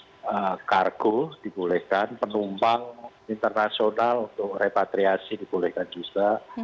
kalau kargo dibolehkan penumpang internasional untuk repatriasi dibolehkan juga